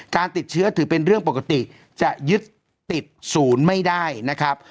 การติดเชื้อถือเป็นเรื่องปกติจะยึดติดศูนย์ไม่ได้นะครับ